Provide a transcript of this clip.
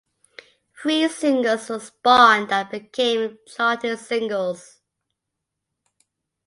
Three singles were spawned that became charting singles.